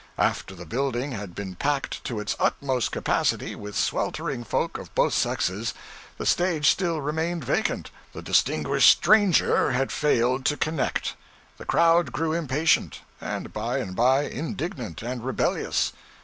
After the building had been packed to its utmost capacity with sweltering folk of both sexes, the stage still remained vacant the distinguished stranger had failed to connect. The crowd grew impatient, and by and by indignant and rebellious.